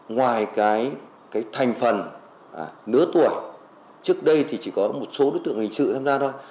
ngoài cái thành phần nửa tuổi trước đây thì chỉ có một số đối tượng hình sự tham gia thôi